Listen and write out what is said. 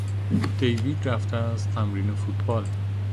دیوید رفته است تمرین فوتبال.